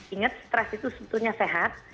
ingat stres itu sebetulnya sehat